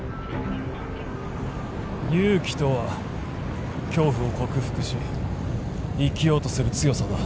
勇気とは恐怖を克服し生きようとする強さだ。